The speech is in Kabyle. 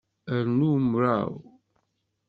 Rnu mraw.